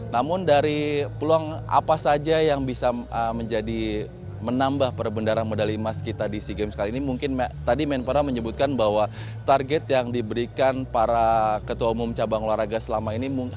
namun dari peluang apa saja yang bisa menjadi menambah perbendaran medali emas kita di sea games kali ini mungkin tadi menpora menyebutkan bahwa target yang diberikan para ketua umum cabang olahraga selama ini